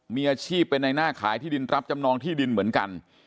มีอาชีพเป็นในหน้าขายที่ดินรับจำนองที่ดินเหมือนกัน